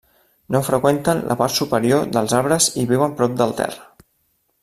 No freqüenten la part superior dels arbres i viuen prop del terra.